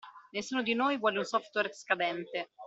Nessuno di noi vuole un software scadente!